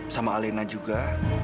sama alena juga